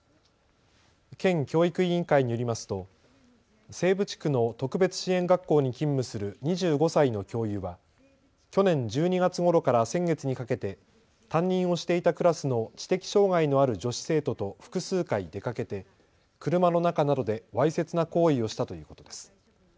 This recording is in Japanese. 県教育委員会によりますと西部地区の特別支援学校に勤務する２５歳の教諭は去年１２月ごろから先月にかけて担任をしていたクラスの知的障害のある女子生徒と複数回出かけて車の中などでわいせつな行為をしたということです。